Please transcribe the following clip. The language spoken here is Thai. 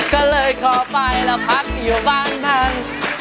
ก็เลยขอไปแล้วพักอยู่บ้านท่าน